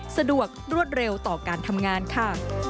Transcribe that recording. สะดวกรวดเร็วต่อการทำงานค่ะ